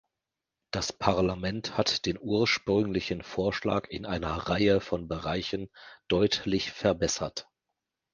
Das Parlament hat den ursprünglichen Vorschlag in einer Reihe von Bereichen deutlich verbessert.